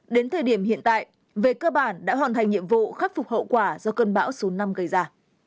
đến thời điểm hiện tại về cơ bản đã hoàn thành nhiệm vụ khắc phục hậu quả do cơn bão số năm gây ra